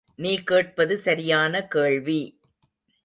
நீ கேட்பது சரியான கேள்வி!